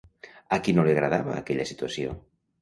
A qui no li agradava aquella situació?